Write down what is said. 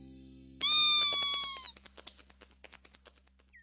ピ！